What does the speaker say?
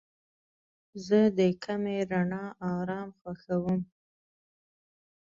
زه د کمې رڼا آرام خوښوم.